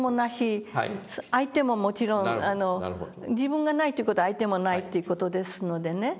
相手ももちろん自分がないという事は相手もないという事ですのでね。